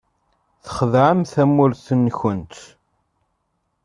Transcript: Txedɛemt tamurt-nkent.